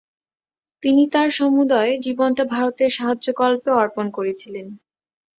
তিনি তাঁর সমুদয় জীবনটা ভারতের সাহায্যকল্পে অর্পণ করেছিলেন।